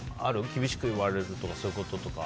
厳しく言われたとかそういうこととか。